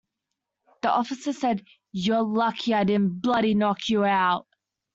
The officer said "you're lucky I didn't bloody knock you out!".